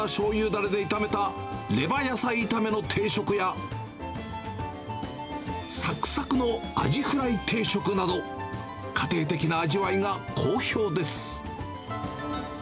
だれで炒めたレバ野菜炒めの定食や、さくさくのアジフライ定食など、家庭的な味わいが好評です。